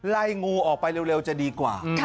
ไล่งูออกไปเร็วจะดีกว่า